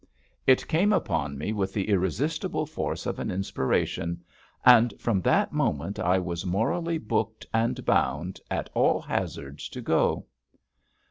It came upon me with the irresistible force of an inspiration, and from that moment I was morally booked and bound at all hazards to go.